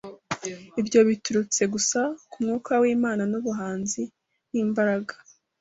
Ibyo biturutse gusa ku mwuka w'Imana n'ubuhanzi n'imbaraga